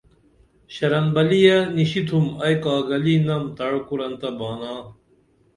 شرن بلِیہ نشی تُھم ائی کاگلی نم تعو کُرن تہ بانا